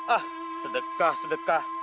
ah sedekah sedekah